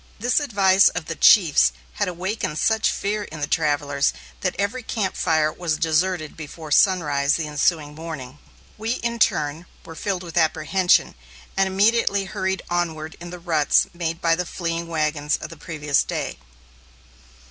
This advice of the chiefs had awakened such fear in the travellers that every camp fire was deserted before sunrise the ensuing morning. We, in turn, were filled with apprehension, and immediately hurried onward in the ruts made by the fleeing wagons of the previous day.